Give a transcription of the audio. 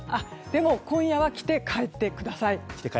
でも、今夜は着て帰ってください。